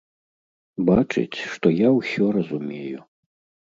Бачыць, што я ўсё разумею.